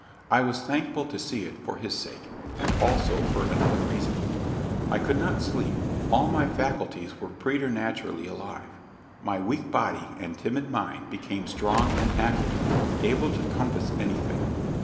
I was thankful to see it for his sake, and also for another reason. I could not sleep all my faculties were preternaturally alive; my weak body and timid mind became strong and active, able to compass anything.